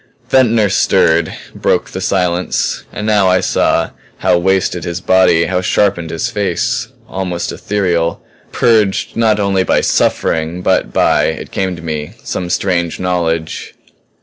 Ventnor stirred; broke the silence. And now I saw how wasted was his body, how sharpened his face; almost ethereal; purged not only by suffering but by, it came to me, some strange knowledge.